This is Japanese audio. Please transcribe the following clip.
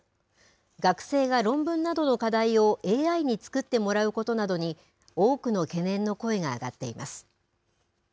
学生が論文などの課題をＡＩに作ってもらうことなどに、多くの懸念の声が上がっています。